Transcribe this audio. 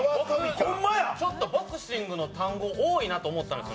ボクシングの単語、多いなと思ったんです。